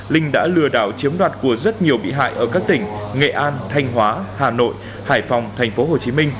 linh đã lừa đảo chiếm đoạt của rất nhiều bị hại ở các tỉnh nghệ an thanh hóa hà nội hải phòng tp hcm